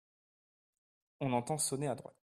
On entend sonner à droite.